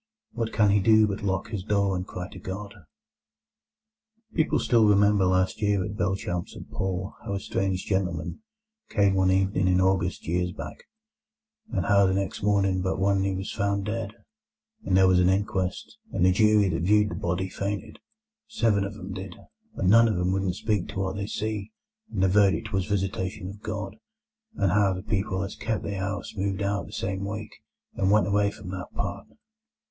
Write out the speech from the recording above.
What can he do but lock his door and cry to God? People still remembered last year at Belchamp St Paul how a strange gentleman came one evening in August years back; and how the next morning but one he was found dead, and there was an inquest; and the jury that viewed the body fainted, seven of 'em did, and none of 'em wouldn't speak to what they see, and the verdict was visitation of God; and how the people as kep' the 'ouse moved out that same week, and went away from that part.